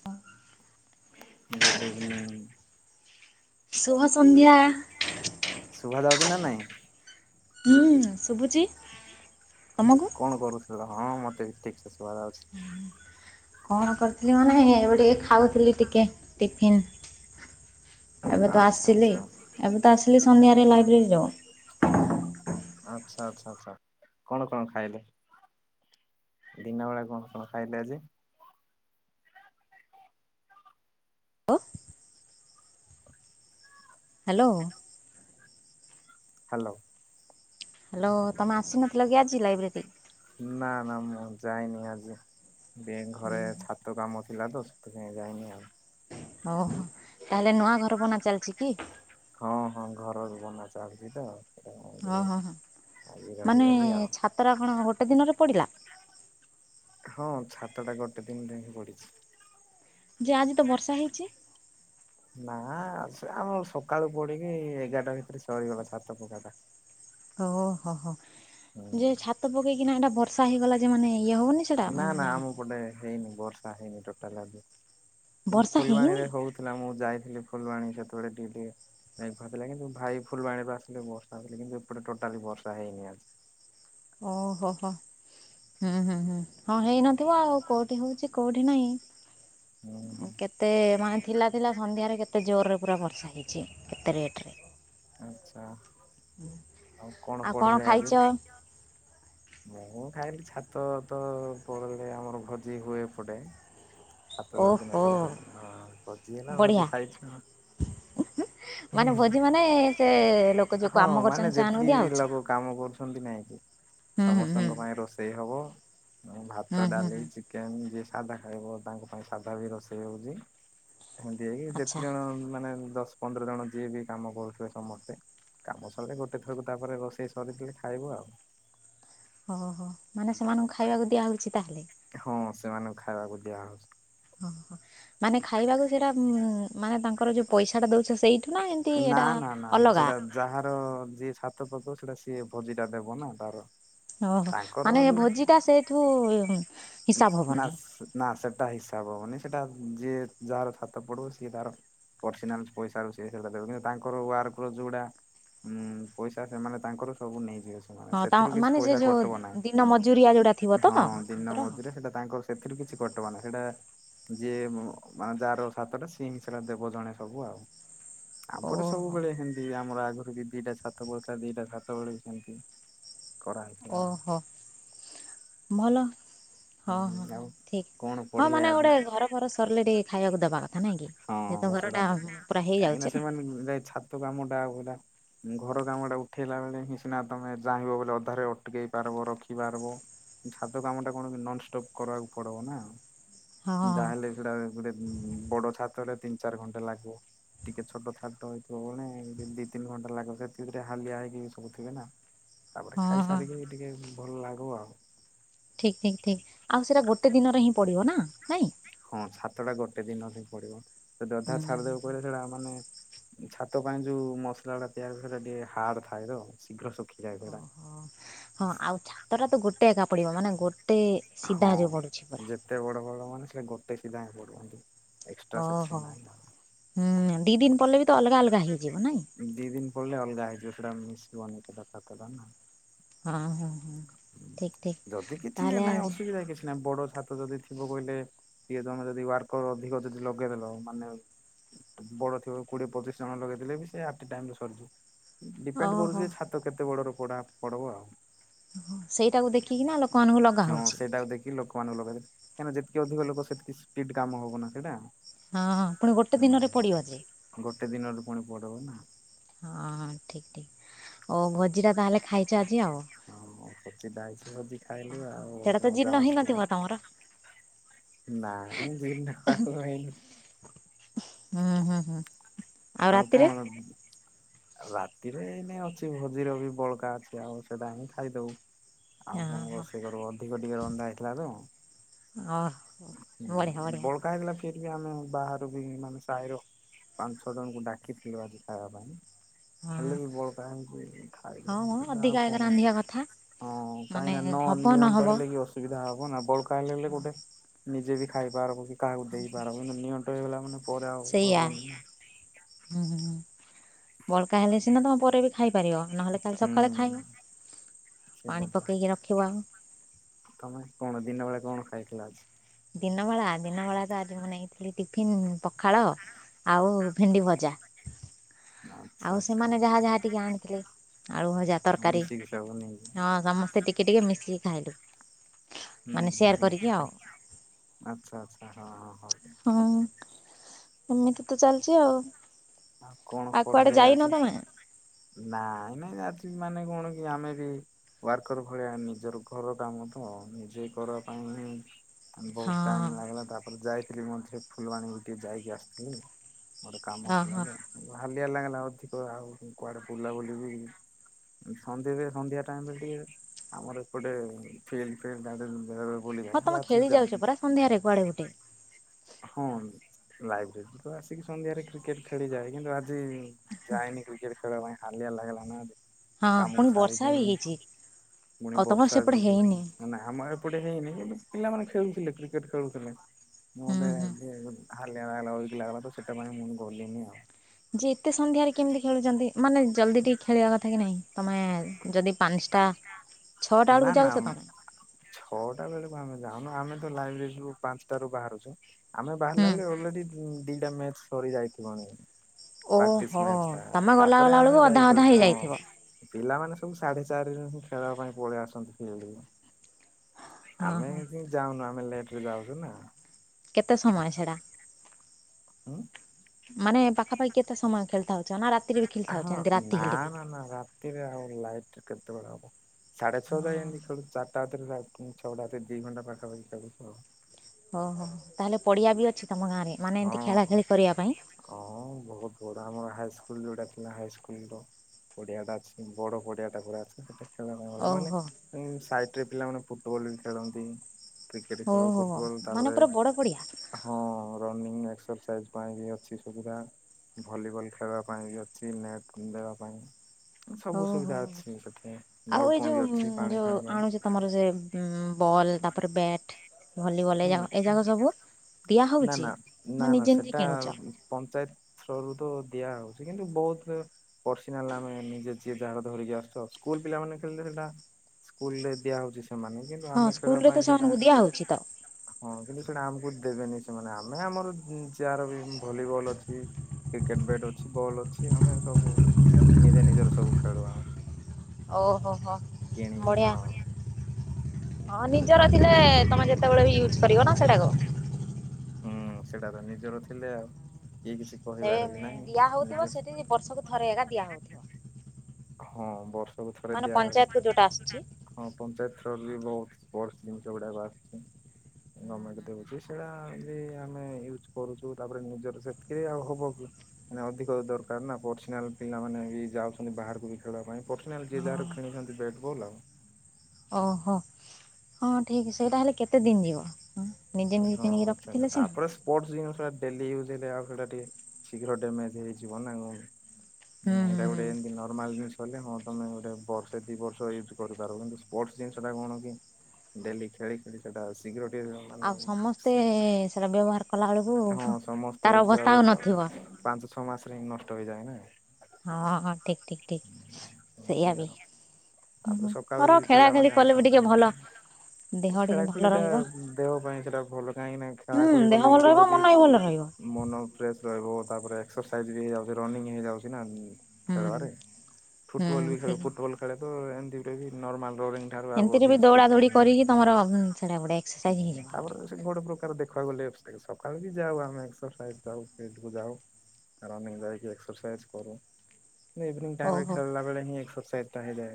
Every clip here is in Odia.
ହଁ। ଗୁଡ୍ ଇଭିନିଂ ଶୁଭ ସନ୍ଧ୍ୟା। ଚି ନା ନାଇଁ? ହୁଁ। ଶୁଭୁଛି ତମକୁ? କଣ କରୁଥିଲ? ହଁ ମତେ ବି ଠିକ୍ ସେ ଶୁଭା ଯାଉଛି। କଣ କରିୁଥିଲି ମାନେ ଏବେ ଟିକେ ଖାଉଥିଲି ଟିକେ ଟିଫନ୍। ଏବେ ତ ଆଚ୍ଛା ଆସିଲି ଆଚ୍ଛା ଏବେ ତ ଆସିଲି ସନ୍ଧ୍ୟାରେ ଲାଇବ୍ରେରୀ ରୁ। ଆଚ୍ଛା ଆଚ୍ଛା ଆଚଛା କଣ କଣ ଖାଇଲେ ଦିନ ବେଳେ କଣ କଣ ଖାଇଲେ ଆଜି? ଅ ହ୍ୟାଲୋ। ହ୍ୟାଲୋ। ହ୍ୟାଲୋ ତମେ ଆସିନଥିଲ କି ଆଜି ଲାଇବ୍ରେରୀ? ନା ନା ମୁଁ ଯାଇନି ଆଜି। ବି ଘଁରେ ହୁଁ ଛାତ କାମ ଥି ଥିଲା ତ ସେଥିପାଇଁ ଯାଇନି ଆଉ। ଓହୋ। ତାହେଲେ ନୂଆ ଘର ବନା ଚାଲିଛି କି? ଘରର ବନା ଚାଲଛି ତ ସେଥିପାଇଁ ହଁ ଟିକେ ହଁ ହଁ ଆଜି ମାନେ ରହିଗଲି ଆଉ। ଛାତରା କଣ ଗୋଟେ ଦିନରେ ପଡିଲା? ହଁ ଛାତ ଟା ଗୋଟେ ଦିନରେ ହିଁ ପଡିଛି। ଯେ ଆଜି ତ ବର୍ଷା ହେଇଛି। ନା ସେ ଆମର ସକାଳୁ ପଡିକି ଏଗାରଟା ଭିତରେ ସରିଗଲା ଛାତ ପକାଟା। ଓହୋ ହୋ। ହୁଁ। ଯେ ଛାତ ପକେଇକି କିନା ଏଟା ବର୍ଷା ହେଇଗଲା ଯେ ମାନେ ଇଏ ହବନି ସେଇଟା ନା ନା ମାନେ ଆମ ପଟେ ହେଇନି ବର୍ଷା ହେଇନି ଟୋ ଟାଲା ହୁଁ ବର୍ଷା ଫୁଲବାଣୀ ରେ ହେଇନି ହଉଥିଲା ମୁଁ ଯାଇଥିଲି। ଫୁଲବାଣୀ ସେତେବେଳେ ଟିକେ ଟିକେ ମେଘ ଥିଲା। କିନ୍ତୁ ଭାଇ ଫୁଲବାଣୀରେ ଆସିଲେ ବର୍ଷା ଥିଲା କିନ୍ତୁ ଏପଟେ ଟୋଟାଲି ବର୍ଷା ହେଇନି ଆଜି। ଓହୋ ହୋ ହୁଁ ହୁଁ ହୁଁ। ହଁ ହେଇନଥିବ ଆଉ କୋଉଠି ହଉଛି, କଉଠି ନାହିଁ। ହୁଁ କେତେ ମାନେ ଥିଲା ଥିଲା ସନ୍ଧ୍ୟାରେ କେତେ ଜୋରରେ ପୁରା ବର୍ଷା ହେଇଛି କେତେ ରେଟ୍ ରେ। ଆଛା। ଆଉ କଣ ପଢିଲେ ଆଜି? ମୁଁ ଖାଇନି କିଛି। ଛାତ ତ ପଡିଲେ ଆମର ଭୋଜି ହୁଏ ଏପଟେ। ଛାତ ଯୋଉଦିନ ଓହୋ। ପଡେ ସେଇଦିନ ଭୋଜି ହେଲା ବଢିଆ ଭୋଜି ଖାଇଛୁଁ। ମାନେ ଭୋଜି ମାନେ ସେ ଲୋକ ଯୋଉ ହଁ କାମ କରୁଛନ୍ତି ସେମାନଙ୍କୁ ଦିଆହଉଛି। ଛନ୍ତି ନାଇଁ କି। ହୁଁ ହୁଁ ହୁଁ ସମସ୍ତଙ୍କ ପାଇଁ ରୋଷେଇ ହବ। [inaudible] ଭାତ ହୁଁ ହୁଁ ଡାଲି ହୁଁ ଚିକେନ ଯିଏ ସାଧା ଖାଇବ ତାଙ୍କ ପାଇଁ ସାଧା ବି ରୋଷେଇ ହଉଛି। ଏନ୍ତି ହେଇ କି ଯେତେ ଆଚ୍ଛା ଜଣ ମାନେ ଦଶ ପନ୍ଦର ଜଣ ଯିଏ ବି କାମ କରୁଥିବେ ସମସ୍ତେ କାମ ସରିଲେ ଗୋଟେ ଥରକୁ ତାପରେ ରୋଷେଇ ସରିଥିଲେ ଖାଇବ ଆଉ। ଓହୋ ମାନେ ସେମାନଙ୍କୁ ଖାଇବାକୁ ଦିଆ ହଉଛି ତାହେଲେ। ହଁ ସେମାନଙ୍କୁ ଖାଇବାକୁ ଦିଆହଉଛି। ଓହୋ ମାନେ ଖାଇବାକୁ ସେଇଟା ଉ ମାନେ ତାଙ୍କର ଯୋଉ ପଇସା ଟା ଦଉ ନା ନା ନା ସେଟା ଯାହାର ଯିଏ ଛାତ ପକେଇବ ସେଟା ସିଏ ଭୋଜିଟା ଦେବ ନା ତାର। ଓହୋ ତାଙ୍କର ମାନେ ଯୋଉ ଭୋଜି ଟା ସେଇଠୁ ହିସାବ ନା ହବନି। ନା ସେଟା ହିସାବ ହବନି ସେଟା ଯିଏ ଯାହାର ଛାତ ପଢିବ ସିଏ ତାର ପର୍ସନାଲ ପଇସା ର ସେ ସେଟା ଦେବ କିନ୍ତୁ ତାଙ୍କର ୱାର୍କର ଯୋଉଟା ଉଁ ପଇସା ସେମାନେ ତାଙ୍କର ସବୁ ନେଇଯିବେ। ସେମାନେ ହଁ ତା ସେଥିରୁ କିଛି ମାନେ ସେ ପଇସା ଯୋଉ କଟିବ ନାହିଁ। ଦିନ ମଜୁରିଆ ଯୋଉଟା ଥିବ ତ ହଁ ଦିନ ତାଙ୍କର। ମଜୁରିଆ ସେଟା ତାଙ୍କର ସେଥିରୁ କିଛି କଟିବ ନା ସେଇଟା ଯିଏ ମାନେ ଯାହାର ସାତଟା ସିଏ ହିଁ ସେଟା ଦେବ ଜଣେ ସବୁ ଆଉ। ଆମ ପରେ ଓହୋ ସବୁବେଳେ ହେମନ୍ତି ଆମର ଆଗରୁ ଦିଟା ଛାତ ପଡିଥିଲା ଦିଟା ଛାତ ବଳୁଥା ଦିଟା ସାତ ବଳିଛନ୍ତି। ଓହୋ ଭଲ। ହଁ ହଁ ହଁ ଆଉ ଠିକ କଣ ହଁ ପଢିଲେ ମାନେ ଆଜି ଗୋଟେ ଘର ଫର ସରିଲେ ଟିକେ ଖାଇବାକୁ ଦବା କଥା ନାଇଁ କି ହଁ ଯେହେତୁ ଘର ସେଟା ଟା ତ ପୁରା କାହିଁକି ହେଇଯାଉଛି ନା। ସେମାନେ ଛାତ କାମ ଟା ପୁରା ଘର କାମ ଟା ଉଠେଇଲା ବେଳେ ହିଁ ସିନା ତମେ ଚାହିଁବ ବୋଲି ଅଧାରେ ଅଟକେଇ ପାରିବ ରଖି ପାରିବ କିନ୍ତୁ ଛାତ କାମ ଟାକୁ କଣ ନନଷ୍ଟପ୍ କରିବାକୁ ପଡିବ ନା। ହଁ ଯାହେଲେ ସେଟା ଗୋଟେ ବଡ ଛାତ। ସେତଳେ ତିନି ଚାରି ଘଣ୍ଟା ଲାଗିବ ଟିକେ ଛୋଟ ଛାତ ହେଇଥିବ ବେଳେ ଦି ତିନି ଘଣ୍ଟା ଲାଗିବ ସେଥି ଭିତରେ ହାଲିଆ ହେଇକି ସବୁ ଥିବେ ନା। ତାପରେ ହଁ ହଁ। ଖାଇସାରିକି ଟିକେ ଭଲ ଲାଗବ ଆଉ। ଠିକ ଠିକ ଠିକ ଆଉ ସେଟା ଗୋଟେ ଦିନରେ ହିଁ ପଡିବ ନା ନାଇଁ। ହଁ ଛାତ ଟା ଗୋଟେ ଦିନରେ ହିଁ ପଡିବ। ସେ ଅଧା ହୁଁ ହୁଁ ଛାଡିଦେବେ ହୁଁ କହିଲେ ସେଇଟା ମାନେ ଛାତ ପାଇଁ ଯୋଉ ମସଲା ଟା ତିଆରି ସେଟା ଟିକେ ହାର୍ଡ ଥାଏ ତ ଶୀଘ୍ର ଶୁଖିଯାଏ ସେଇଟା। ଓହୋ। ହଁ ଆଉ ଛାତଟା ତ ଗୋ ଗୋଟେ ଏକା ପଡ଼ିବ ମାନେ ଗୋଟେ ସିଧା ଯ ପଡ଼ୁଛି ପରା ନ ସେ ଗୋଟେ ସିଧା ହଇଁ ପଡନ୍ତି। ଓହୋ ହୁଁ ଦିଇ ଦିନ ପରେ ବି ତ ଅଲଗା ଅଲଗା ହେଇଯିବ ନାଇଁ- ସୋ ମିଶ ବଥା ନା- ହଁ ହଁ ହଁ ଠିକ ଠିକ ତାହଲେ ଆ- ତ ଯି ଥିବ କହିଲେ ସ ତମେ ଯଦ ୱାର୍କର ଅଧ ଯ ଲଗେଇ ଦେଲ କୋଡ଼ିଏ ପଚିଶ ଜଣ ଲଗେଇଲେ ବି ସେ ଆ ଟାଇମ ରେ ସରିଯିବ- ଡିପେଣ୍ଡ ଓହୋ କରୁଛି ଛାତ କେତେ ବଡ ର- ପଢା ପଡବ ଆଉ- ସେଇଟାକୁ ଦେଖିକିନା ଲୋକମାନଙ୍କୁ ଲଗାହଉଛି- କାହିଁକନା ଯେତିକ ଅଧିକ ଲୋକ ସେତିକି ସ୍ପିଡ କାମ ହବ ନା ସେଇଟା- ହଁ ହଁ ପୁଣି ଗୋଟେ ଦିନରେ ପଡିବ ଯେ- ଗୋଟେ ଦିନରୁ ପୁଣି ପଡିବ ନା- ହଁ ଠିକ ଠିକ ଆଉ ଭଜିରା ତାହେଲେ- ଖାଇଛ ଆଜି ଆଉ ହଁ ଖଜି ହେଛି ଭୋଜି ଖାଇଲୁ ଆଉ ସେଇଟା ତ ଜୀର୍ଣ୍ଣ ମଜାମସ୍ତି ହେଇନଥିବ ତମର ନାଇଁ- ହୁଁ ହୁଁ ହୁଁ- ଆଉ ତାମ ରାତିରେ କଣ- ରାତିରେ ଏନ ଅଛି ଭୋଜିର ବି ବଳକା ଅଛି ଆଉ ସେଇଟା ହ ଖାଇଦବୁ- ଆଉ କଣ ଓହୋ ରଷ କର ଅଧିକ ଟିକେ ରନ୍ଧା ହେଇଥିଲା ତ ଓହୋ ବଢ଼ିଆ ବଢ଼ିଆ ବଳକା ହେଇଥିଲା- ଆମେ ବାହାରୁ ବି ମାନେ ସାହିରଛୁ- ଛ ଜଣଙ୍କୁ ଡାକିଥିଲୁ ଆଜି ଖାଇବା ପାଇଁ- ହଁ ହେଲେ ବି ବଳକା ହେଇଛି ହଁ ମ ଖାଇଦବ ଆଉ ଅଧିକା ଏକା କଣ ରାନ୍ଧିବା କଥା ହଁ କାହିଁକି ମାନେ ନା ନ ହବ ନିଅଣ୍ଟ ନହବ ହେଲେ କି ଅସୁବିଧା ହବ ନା ବଳକା ହେଲେ ହେଲେ ଗୋଟେ- ନିଜେ ବି ଖାଇପାରବ କି- କାକୁ ଦେଇ ପାରି- ଇଲା ମାନେ- ସେଇଆ ପରାବନ- ହୁଁ ହୁଁ ହୁଁ ବଳକା ହେଲେ ସିନା ତମ ପରେ ବି ଖାଇ- ପରିବା ନହଲେ କାଲି ସଖାଳେ ଖାଇବ, ହୁଁ ସେଇଟା ପାଣି ତ ପକେଇକି ରଖିବ - ତମେ କଣ ଦିନ ବେଳେ କଣ ଖାଇଥିଲା ଆଜି- ଦିନ ବଳା ଦିନ ବଳା ତ ଆଜି ମୁଁ ନେଇଥିଲି ଟିଫିନ ପଖାଳ ଆଉ ଭେଣ୍ଡି ଭଜା- ଆଚ୍ଛା ଆଉ ସେମାନେ ଆଚ୍ଛା ଯାହା ଯାହା ଟିକେ ଆଣିଥିଲେ ଆଳୁ ଭଜା ତରକାରୀ ମିଶିକି ସବୁ ନେଇକି ହଁ ସମସ୍ତେ ଟିକେ ଟିକେ ମିଶିକି ଖାଇଲୁ ହୁଁ ମାନେ ହୁଁ ସେୟାର ହୁଁ ହୁଁ କରିକି ହୁଁ। ଆଉ ଆଚ୍ଛା ଆଚଛା ହଁ ହଁ ହଁ ହଁ ଏମିତି ତ ଚାଲିଛି ଆଉ ଆଉ କଣ ଆଉ କୁଆଡେ ପଢିଲେ ଯାଇନ ଆଜି ତମେ? ନାଇଁ ନାଇଁ ଆଜି ମାନେ କଣ କି ଆମେ ବି ୱାର୍କର ଭଳିଆ ନିଜର ଘର କାମ ତ ନିଜେ କରିବା ପାଇଁ ହିଁ ବହୁତ ଟାଇମ ହଁ ଲାଗିଲା ତାପରେ ଯାଇ ଥିଲ ମଧ୍ୟରେ ଫୁଲବାଣୀକୁ ଟିକେ ଯାଇକି ଆସିଥିଲି ଗୋଟେ କାମ ଭ କ ହଁ ହଁ ଲାଗିଲା ଅଧିକ ଆଉ କୁଆଡେ ବୁଲା ବୁଲି ସନ୍ଧ୍ୟ ସନ୍ଧ୍ୟା ଟାଇମରେ ଟିକେ ଆମର ଏପଟେ ଫ ଫ ହଁ ତମେ ଖେଳି ଯାଉଛ ପରା ସନ୍ଧ୍ୟାରେ କୁଆଡେ ଗୁଟେ ହଁ ଲାଇବ୍ରେରୀରୁ ତ ଆିକି ସନ୍ଧ୍ୟାରେ କ୍ରିକେଟ ଖେଳିଯାଏ କିନ୍ତୁ ଆଜି ଯାଏନି କ୍ରିକେଟ ଖେଳିବା ପାଇଁ ହାଲିଆ ଲାଗିଲା ନା ଆ ହଁ କାମକୁ ପୁଣି ବର୍ଷା ସାରିକି ବି ହେଇଛି ପୁଣି ଆଉ ତମର ବର୍ଷା ସେପଟେ ବି ହେଇନି ଆମ ଏପଟେ ହେଇନିୁ ପିଲାମାନେେ ଖେଳୁଥିଲେ କ୍ରିକେଟ ଖେଳୁଥିଲେ ହୁଁ ନଡ ହୁଁ ଲଗ ସି ମୁ କଲିନି ଆଉ ଯେ ଏତେ ସନ୍ଧ୍ୟାରେ କେମିତି ଖେଳୁଛନ୍ତି ମାନେ ଜଲ୍ଦି ଟିକେ ଖେଳିବା କଥା କି ନହିଁ ତମେ ଯଦି ପାଞ୍ଚଟା ଛଅଟା ବେଳକୁ ନା ନା ଯାଉଛ ତମେ? ଛଅଟା ବେଳେ ଆମେ ଯାଉନୁ ଆମେ ତ ଲାଇବ୍ରେରୀୁ ପାଞ୍ଚଟ ରୁ ବାହାରୁଛୁ ଆମେ ହୁଁ ବାହାରିଲା ବେ ଅଲରେଡି ହୁଁ ଦିଟା ମ୍ୟାଚ ସରି ଯାଇଥିବନ ଓହୋ ତମେ ଗଲା ଗଲା ଆମେ ବେଳକୁ ଅଧା ଅଧା ଯାଇପାରୁଛୁ ହଁ। ହେଇଯାଇଥିବ ପିଲାମାନେ ସବୁ ସାଢେ ଚାରି ଦିନ ଖେଳିବା ପାଇଁ ପଳେଇ ଆସନ୍ତି ଫିଲ୍ଡ ହଁ ଆମେ ହଁ ଯାଉନୁ ଆମେ ଲେ ଯାଉଛ ନା କେତେ ସମୟ ଛଡ଼ା ହଁ ମାନେ ପାଖାପାଖି କେତେ ସମୟ ଖେଳିଥା ହଉଛ ନା ରା ଆ ହଁ ନା ନା ନା ରାତିରେ ଆଉ ଲାଇଟରେ କେତେବେଳେ ହବ ସାଢ଼େ ଚଉଦ ହଁ ଏି ଖଳୁ ଚାରଟାାତରେ ରା ଛଅ ରାତି ଦିଇ ଘଣ୍ଟା ପାଖାପାଖି ଚାାଉୁଛ ହଁ ହଁ ତାହେଲେ ପଡିଆ ବି ଅଛି ତମ ଗାଁରେ ମାନେ ଏମିତି ହଁ ଖେଳା ହଁ ଖେଳି କରିବା ପାଇଁ ସ୍କୁଲ ଯେଉଁଟା ଥିଲା ହାଇସ୍କୁଲର ପଡ଼ିଆଟା ଅଛି ବଡ଼ ପଡ଼ିଆଟା ପୁରା ଅ ସେଠା ଓହୋ ମାନେଁ ସାଇ ରେ ପିଲାମାନେ ଫୁଟବଲ ବି ଖେଳନ୍ତି କ୍ରିକେଟ୍ ଓ ଖେଳ ହୋ ଫୁଟବଲ୍ ମାନେ ପୁର ବଡ ପଡିଆ ମିନି ଏକ୍ସରସାଇଜ୍ ପାଇଁ ବି ଅଛି ସୁବିଧା। ଭଲିବଲ୍ ଖେଳ ପାଇଁ ବି ଅଛି ନେଟ୍ ଦେବା ପାଇଁ ସବୁ ହଉ ସୁବିଧା ହଉ ଅଛି ସେଠି। ଆଉ ଏଇ ନଳକୂଅ ବି ଯୋଉ ଅଛି ପାଣି ଯୋଉ ଫାଣି ପାଇଁ ଆଣୁଛି ତମର ସେ ଉ ବଲ୍ ଟା ପର୍ ବ୍ୟାଟ୍ ଭଲିବଲ୍ ହୁଁ ଏଯାକ ଏଯାକ ସବୁ ଦିଆ ନା ହଉଛି? ନା ନା ନା ନିଜେ ନିଜେ ସେଟା କିଣୁଛ ପଞ୍ଚାୟତ ଥ୍ରୋରୁ ରୁ ତ ଦିଆ ହେବ। କିନ୍ତୁ ବହୁତୁ ପର୍ସନାଲ ଆମେ ନିଜେ ଯିଏ କାହାର ଧରିକି ଆସୁଛୁ ଆଉ ସ୍କୁଲ ପିଲାମାନେ ଖେଳିଲେ ସେଟା ସ୍କୁଲ ରେ ଦିଆ ହଉଛି। ସେ ହଁ ସ୍କୁଲ ରେ ତ ସେମାନଙ୍କୁ ଦିଆ ହଉଛି ତ। ହଁ କିନ୍ତୁ ସେଇଟା ଆମକୁ ଦେବେନି ସେମାନେ ଆମେ ଆମର ଯାହାର ବି ଭଲିବଲ୍ ଅଛି କ୍ରିକେଟ ବ୍ୟାଟ୍ ଅଛି ବଲ୍ ଅଛି ଆମେ ସବୁ ନିଜେ ନିଜର ସବୁ ଖେଳୁିଆ ଓହୋ ହୋ। କିଣିକି ବଢିଆ ହଁ। ହଁ ନିଜର ଥିଲେ ତମେ ଯେତେବେଳେ ବି ୟୁଜ୍ କରିବ ନା ସେଟାକୁ। ହୁଁ ସେଇଟା ତ ନିଜର ଥିଲେ ଆଉ କିଏ କିଛି ସେ କହିବାର ବି ନାହିଁ ଦିଆ ହଉଥିବ ନିଜେ ସେଠି ବର୍ଷକୁ ଥରେ ଏକା ଦିଆ ହଉଥିବ। ହଁ ବର୍ଷକୁ ଥରେ ମାନେ ପଞ୍ଚାୟତକୁ ଦିଆହଉଛି ଯୋଉଟା ଆସୁଛି। ହଁ ପଞ୍ଚାୟତ ଥ୍ରୋ ବହୁତ ସ୍ପୋର୍ଟ ଜିନିଷ ଗୁଡା ଆସୁଛି ଗମେଣ୍ଟ ଦେଉଛି ସେଟା ବି ଆମେ ୟୁଜ କରୁଛୁ ତାପରେ ନିଜର ସେତିକିରେ ଆଉ ହବ ମାନେ ଅଧିକ ଦରକାର ନା ପର୍ସନାଲ ପିଲାମାନେ ବି ଯାଉଛନ୍ତି ବାହାରକୁ ପୁଣି ଖେଳିବା ପାଇଁ ପର୍ସନାଲ ଯିଏ ହଁ ଯାହାର କିଣିଛନ୍ତି ବ୍ୟାଟ ବଲ୍ ଓହୋ ହଁ ଠିକ୍ ସେଇଟା ହେଲେ କେତେ ଦିନ ଯିବ? ନିଜେ ନିଜେ କିଣିକି ହଁ ରଖିଥିଲେ ସିନା ତାପରେ ସ୍ପୋର୍ଟ ଜିନଷ ଡେଲି ୟୁଜ ଆଉ ସେଟା ଟିକ ଶୀଘ୍ର ଡାମେଜ ହେଇଯିବ ନା ହୁଁ ଏଇଟା ହୁଁ ହୁଁ ଗୋଟେ ନର୍ମାଲ ଜିନିଷ କହିଲି ହଁ ତମେ ଗୋଟେ ବର୍ଷ ଦି ବର୍ଷ ୟୁଜ୍ କରିପାର। କିନ୍ତୁ ସ୍ପୋର୍ଟ ଜିନିଷ ଟା କଣ କି ଡେଲି ଖେଳି ଖେଳି ସେଟା ଶୀଘ୍ର ବ ଆଉ ମାନେ [unintelligible] ସମସ୍ତେ ସେଟା ବ୍ୟବହାର କଲା ବେଳକୁ ହଁ ହୁ ତାର ଅବସ୍ଥା ଆଉ ନଥିବ। ଛମାସ ରେ ହିଁ ନଷ୍ଟ ହେଇଯାଏ ନା। ହଁ ହଁ ଠିକ ଠିକ ଠିକ ସେମିତି ସେଇଆା ବି ଆଉ ତାପରେ ସକାଳୁ କର ବି ଖେଳା ପିଲାମାନେ ଖେଳି କଲେ ବି ଟିକେ ଆସନ୍ତିନି। ଭଲ ଦେହ ଖେଳା ଟିକେ ଖୁଳି ଭଲ ଟା ରହିବ। ଦେହ ପାଇଁ ସେଟା ଭଲ କାହିଁକି ନା ଖେଳା ହୁଁ ଖେଳି ଦେହ କଲେ କି ଭଲ ରହିବ କଣ କି ମନ ବି ଭଲ ରହିବ ମନ ଫ୍ରେେଶ ରହିଵ ତାପରେ ଏକ୍ସରସାଇଜ୍ ବି ହେଇଯାଉଛି ରନିଙ୍ଗ ହେଇଯାଉଛି ନା। ଖେଳିବା ହୁଁ ରେ ଫୁଟବଲ ବି ହୁଁ ଖେଳ ଫୁଟବାଲ ଖେଳେ ତ ଏ ସେଇଟା ବି ନର୍ମଲ। ସେମିତିରେ ବି ଦୌଡା ଦୌଡି କରିକି ତମର ସେଟା ଗୋଟେ ଏକ୍ସରସାଇଜ ହେଇଯିବ ଆ ବଡ ପ୍ରକାର ଦେଖିବାକୁ ଗଲେ ସକାଳୁ ବି ଯାଉ ଆମେ ଏକ୍ସରସାଇଜ ଯାଉ ଫିଲ୍ଡ କ ଯାଉ ରନିଙ୍ଗ ଯାଇକି ଏକ୍ସରସାଇଜ କରୁ ଇଭିନିଙ୍ଗ ଟାଇମ୍ ରେ ଓହୋ। ଖେଳିଲା ବେଳେ ହିଁ ଏକ୍ସସାର ସେଇଟା ହେଇ ଯାଏ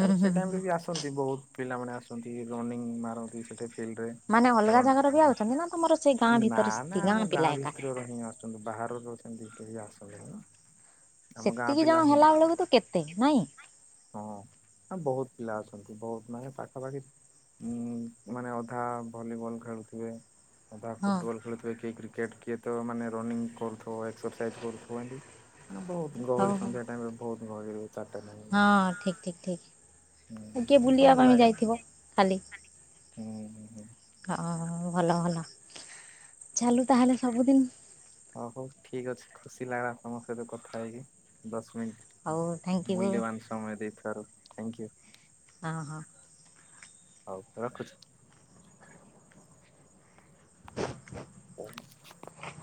ତାପରେ ହୁଁ ସେଇ ଟାଇମ ରେ ହୁଁ ବି ଆସନ୍ତି ବହୁତ ପିଲାମାନେ ଆସନ୍ତି ରନିଂ ମାର ସେଠଟ ନା ମାନେ ଅଲଗା ଜାଗାର ବି ଆଉଛନ୍ତି ନା ତମର ସେଇ ଗାଁ ଭିତରେ ସେତି ନା ଆମ ପିଲା ଗାଁ ଏକା। ଭିତର ର ହିଁ ଆଛନ୍ତି ବାହାରର ଚଡିପୟସବ ହେ ସେତିକି ଜଣ ହେଲା ବେଳକୁ ତ କେତେ ନାଇଁ ହଁ ବହୁତ ପିଲା ଅଛନ୍ତି ବହୁତ ମାନେ ପାଖାପାଖି ଉ ମାନେ ଅଧା ଭଲିବଲ ଖେଳୁଥିବେ। ମ ହଁ। ଫୁଟ ବାଲ ଖଳଳି କି କ୍ରିକେ କ୍ରିକେଟ କିଏ ତ ମାନେ ରନିଂ କରୁଥ ଏକ୍ସରସାଇଜ୍ କରୁଥିବ ଏ ନା ବହୁତ ହଉ ଗହଳି ହଉ ସନ୍ଧ୍ୟା ଟାଇମ ବହୁତ ବହେ ଚଟଣେ ଠିକ୍ ଠିକ ଠିକ୍ କିଏ ଭଲ ବୁଲିବାକୁ ଆମେ ଲାଗେ। ଯାଇଥିବ ଖାଲି ହୁଁ ହୁଁ ହୁଁ ହ ହ ଭଲ ଭଲ ଚାଲୁ ତାହେଲେ ସବୁଦିନ ହଉ ହଉ ଠିକ ଅଛି ଖୁସି ଲାଗିଲା ତମ ସହିତ କଥା ହେଇକି ଦଶ ହଉ ଥ୍ୟାଙ୍କ ୟୁ ମୂଲ୍ୟବାନ ସମୟ ଦେଇଥାରୁ ଥ୍ୟାଙ୍କ ୟୁ ହଁ ହଁ ହଉ ରଖୁଛି। [inaudible]